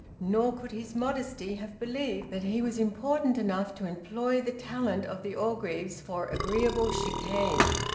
Nor could his modesty have believed that he was important enough to employ the talent of the Orgreaves for agreeable chicane.